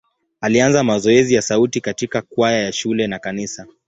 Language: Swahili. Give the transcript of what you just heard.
Alianza mazoezi ya sauti katika kwaya ya shule na kanisa.